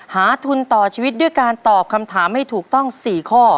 ทุนต่อชีวิตด้วยการตอบคำถามให้ถูกต้อง๔ข้อ